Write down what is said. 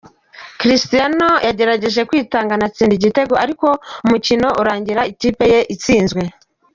Cristiano yagerageje kwitanga anatsinda igitego ariko umukino urangira ikipe ye itsinzwe.